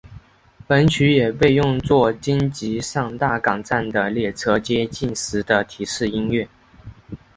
本曲也被用作京急上大冈站的列车接近时的提示音乐。